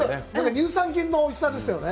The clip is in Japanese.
乳酸菌のおいしさですよね。